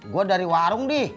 gue dari warung dih